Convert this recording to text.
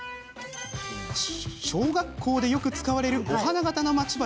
小学校でよく使われるお花形のまち針。